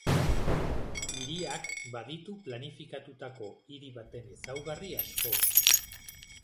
Hiriak baditu planifikatutako hiri baten ezaugarri asko.